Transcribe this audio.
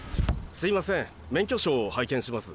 すいません免許証を拝見します。